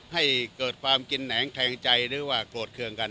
ให้เกิดความกินแหนงแคลงใจหรือว่าโกรธเครื่องกัน